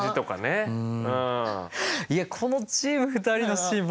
いやこのチーム２人のシーン